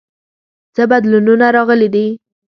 څه بدلونونه راغلي دي؟